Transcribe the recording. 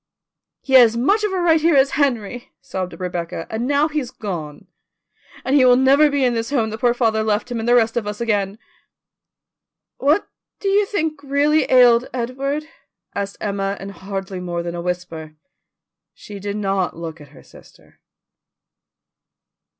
"He had as much of a right here as Henry," sobbed Rebecca, "and now he's gone, and he will never be in this home that poor father left him and the rest of us again." "What do you really think ailed Edward?" asked Emma in hardly more than a whisper. She did not look at her sister.